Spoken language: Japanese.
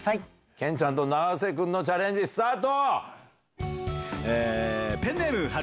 健ちゃんと永瀬君のチャレンジスタート！